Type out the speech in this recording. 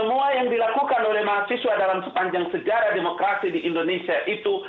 semua yang dilakukan oleh mahasiswa dalam sepanjang sejarah demokrasi di indonesia itu